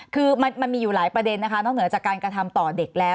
คือมันมีอยู่หลายประเด็นนะคะนอกเหนือจากการกระทำต่อเด็กแล้ว